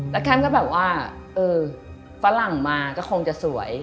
แล้วแคมก็แบบว่าเออฝรั่งมาก็คงจะสวย